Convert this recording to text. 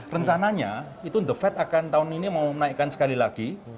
rencananya itu the fed akan tahun ini mau menaikkan sekali lagi